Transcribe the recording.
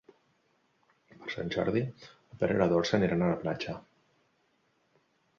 Per Sant Jordi en Pere i na Dolça aniran a la platja.